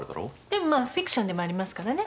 でもまあフィクションでもありますからね。